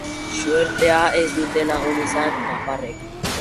Suertea ez dute lagun izan nafarrek.